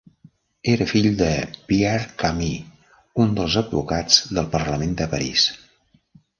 Era fill de Pierre Camus, un dels advocats del Parlament de París.